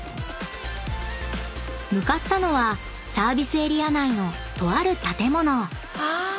［向かったのはサービスエリア内のとある建物］